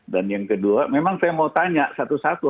dan yang kedua memang saya mau tanya satu satu